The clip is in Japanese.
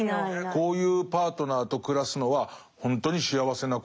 こういうパートナーと暮らすのはほんとに幸せなことだと思う。